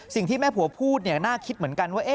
สิ่งที่แม่ผัวพูดน่าคิดเหมือนกันว่า